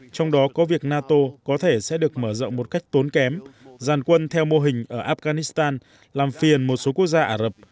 trong đó có việc nato có thể sẽ được mở rộng một cách tốn kém giàn quân theo mô hình ở afghanistan làm phiền một số quốc gia ả rập